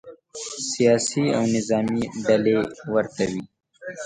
سیاسي او نظامې ډلې ورته وي.